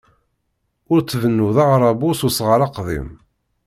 Ur tbennuḍ aɣerrabu s usɣar aqdim.